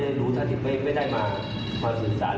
เพราะตอนเช้าเขาก็ตอบปัญหาคำถามอะไรอยู่ดีน่าจะตรง